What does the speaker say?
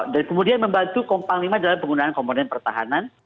dan kemudian membantu panglima dalam penggunaan komponen pertahanan